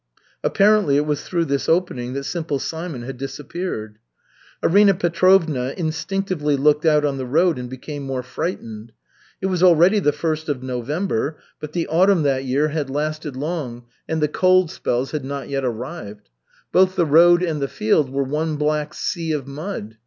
Apparently it was through this opening that Simple Simon had disappeared. Arina Petrovna instinctively looked out on the road and became more frightened. It was already the first of November, but the autumn that year had lasted long, and the cold spells had not yet arrived. Both the road and the field were one black sea of mud.